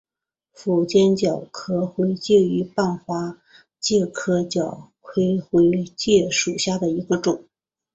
符坚角壳灰介为半花介科角壳灰介属下的一个种。